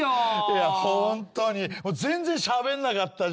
いやホントに全然しゃべんなかったじゃないの。